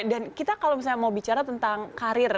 dan kita kalau misalnya mau bicara tentang karir